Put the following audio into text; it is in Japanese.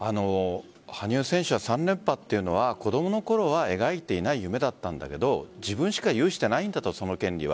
羽生選手は３連覇というのは子供のころは描いていない夢だったんだけど自分しか有してないんだとその権利は。